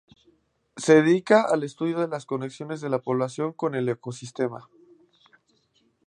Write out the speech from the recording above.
Se dedica al estudio de las conexiones de la población con el ecosistema.